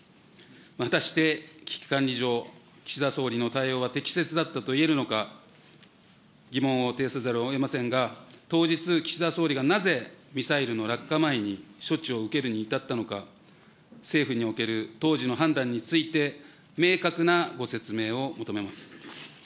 果たして危機管理上、岸田総理の対応は適切だったといえるのか、疑問をていさざるをえませんが、当日、岸田総理がなぜミサイルの落下前に処置を受けるに至ったのか、政府における当時の判断について、明確なご説明を求めます。